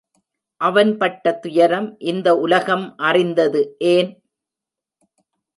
அவன் பட்ட துயரம் இந்த உலகம் அறிந்தது. ஏன்?